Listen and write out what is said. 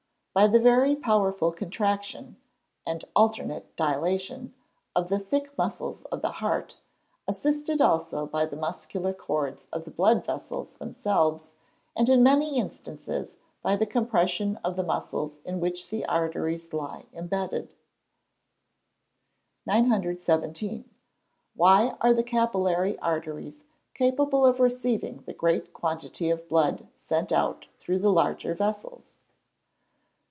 _ By the very powerful contraction (and alternate dilation) of the thick muscles of the heart, assisted also by the muscular cords of the blood vessels themselves, and in many instances by the compression of the muscles in which the arteries lie embedded. 917. _Why are the capillary arteries capable of receiving the great quantity of blood sent out through the larger vessels?